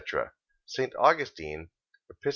St. Augustine, (Epist.